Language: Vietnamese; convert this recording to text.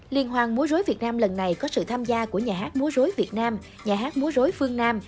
liên hoan múa rối việt nam lần này có sự tham gia của nhà hát múa rối việt nam nhà hát múa rối phương nam